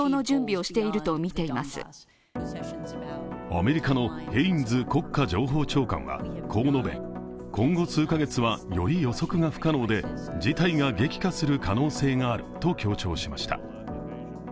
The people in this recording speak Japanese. アメリカのヘインズ国家情報長官はこう述べ今後数カ月はより予測が不可能で、事態が激化する可能性があると強調しました。